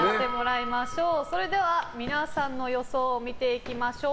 それでは皆さんの予想を見ていきましょう。